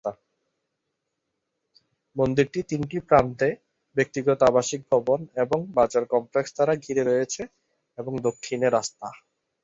মন্দিরটি তিনটি প্রান্তে ব্যক্তিগত আবাসিক ভবন এবং বাজার কমপ্লেক্স দ্বারা ঘিরে রয়েছে এবং দক্ষিণে রাস্তা।